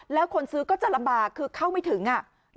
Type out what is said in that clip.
แล้วคนซื้อก็จะลำบากคือเข้าไม่ถึง